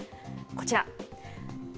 こちら。